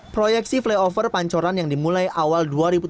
proyeksi flyover pancoran yang dimulai awal dua ribu tujuh belas